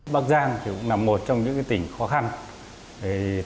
bắc giang là một trong những tỉnh khó khăn